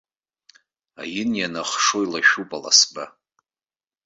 Аин ианахшо илашәуп аласба.